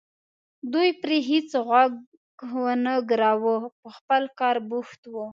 دوی پرې هېڅ غوږ ونه ګراوه په خپل کار بوخت وو.